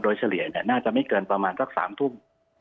โดยเฉลี่ยน่าจะไม่เกินประมาณสัก๓ทุ่ม